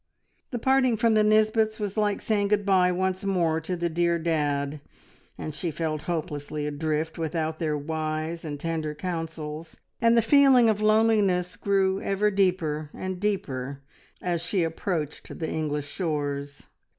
The parting from the Nisbets was like saying good bye once more to the dear dad, and she felt hopelessly adrift without their wise and tender counsels, and the feeling of loneliness grew ever deeper and deeper as she approached the English shores.